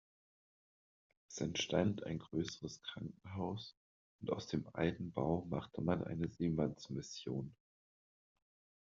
Es entstand ein größeres Krankenhaus, und aus dem alten Bau machte man eine Seemannsmission.